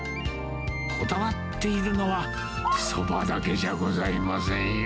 こだわっているのは、そばだけじゃございませんよ。